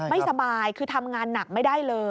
ไม่สบายคือทำงานหนักไม่ได้เลย